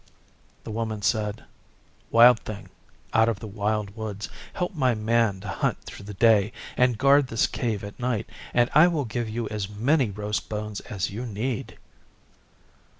The Woman said, 'Wild Thing out of the Wild Woods, help my Man to hunt through the day and guard this Cave at night, and I will give you as many roast bones as you need.